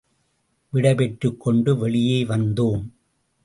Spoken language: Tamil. விடைபெற்றுக்கொண்டு வெளியே வந்தோம்.